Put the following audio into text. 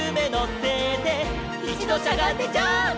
「いちどしゃがんでジャンプ！」